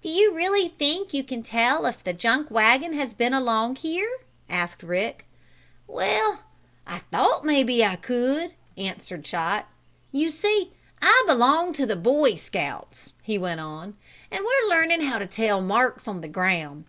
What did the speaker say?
"Do you really think you can tell if the junk wagon has been along here?" asked Rick. "Well, I thought maybe I could," answered Chot. "You see I belong to the Boy Scouts," he went on, "and we're learning how to tell marks on the ground.